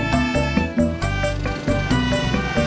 bang kopinya nanti aja ya